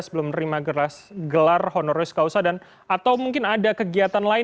sebelum menerima gelar honoris causa dan atau mungkin ada kegiatan lain